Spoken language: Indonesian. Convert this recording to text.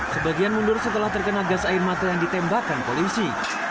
sebagian mundur setelah terkena gas air mata yang ditembakkan polisi